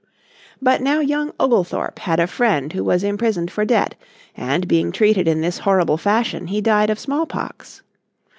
But now young Oglethorpe had a friend who was imprisoned for debt, and, being treated in this horrible fashion, he died of smallpox.